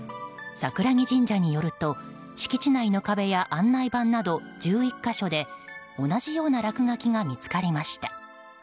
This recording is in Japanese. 櫻木神社によると敷地内の壁や案内板など１１か所で同じような落書きが見つかりました。